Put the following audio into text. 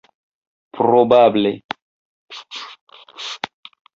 probable